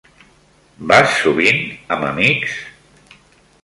Vas sovint amb amics?